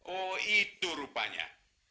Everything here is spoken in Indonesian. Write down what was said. oh itu rupanya